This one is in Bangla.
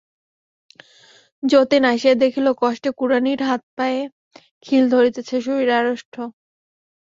যতীন আসিয়া দেখিল, কষ্টে কুড়ানির হাতে পায়ে খিল ধরিতেছে, শরীর আড়ষ্ট।